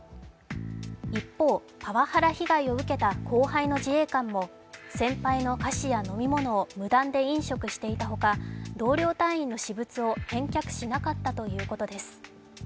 一方、パワハラ被害を受けた後輩の自衛官も先輩の菓子や飲み物を無断で飲食していたほか同僚隊員の私物を返却しなかったということです。